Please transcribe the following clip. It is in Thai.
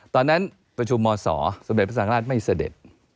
ตอนนั้นประชุมมศสมเด็จพระสังราชไม่เสด็จ